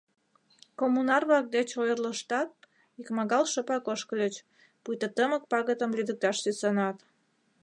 Коммунар-влак деч ойырлыштат, икмагал шыпак ошкыльыч, пуйто тымык пагытым лӱдыкташ сӱсанат.